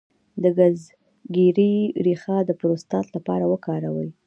د ګزګیرې ریښه د پروستات لپاره وکاروئ